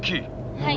はい。